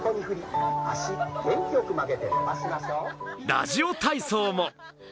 ラジオ体操も。